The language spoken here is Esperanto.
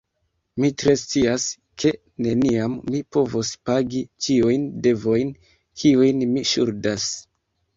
Mi tre scias, ke neniam mi povos pagi ĉiujn devojn, kiujn mi ŝuldas.